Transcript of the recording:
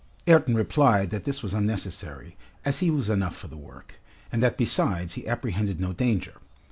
Ayrton replied that this was unnecessary, as he was enough for the work, and that besides he apprehended no danger.